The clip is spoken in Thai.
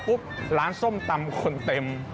ร้านส้มตำคนเต็ม